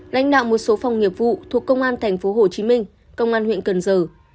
lãnh đạo một số phòng nghiệp vụ thuộc công an tp hcm công an huyện cần giờ